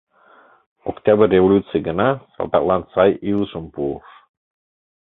Октябрь революций гына салтаклан сай илышым пуыш.